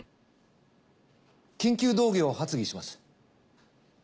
緊急動議を発議します。